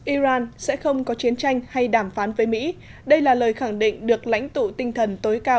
iran sẽ không có chiến tranh hay đàm phán với mỹ đây là lời khẳng định được lãnh tụ tinh thần tối cao